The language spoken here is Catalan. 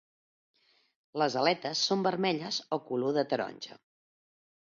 Les aletes són vermelles o color de taronja.